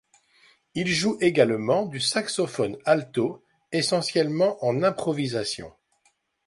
Il joue également du saxophone alto, essentiellement en improvisation.